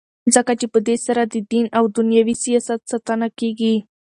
ځکه چي په دی سره ددین او دینوي سیاست ساتنه کیږي.